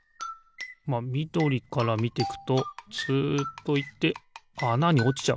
まあみどりからみてくとツッといってあなにおちちゃうな。